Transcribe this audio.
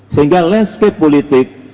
sehingga landscape politik